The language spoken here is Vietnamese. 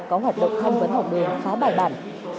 có hoạt động tham vấn học nghề khá bài bản